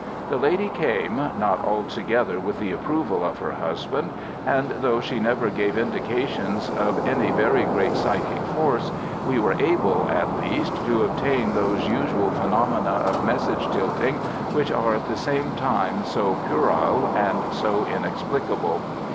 The lady came, not altogether with the approval of her husband, and though she never gave indications of any very great psychic force, we were able, at least, to obtain those usual phenomena of message tilting which are at the same time so puerile and so inexplicable.